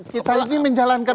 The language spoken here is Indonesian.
kita ini menjalankan